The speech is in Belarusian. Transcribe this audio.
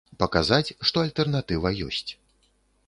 Паказаць, што альтэрнатыва ёсць.